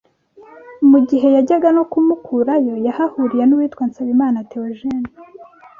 mu gihe yajyaga no kumukurayo yahahuriye n’uwitwa Nsabimana Theogene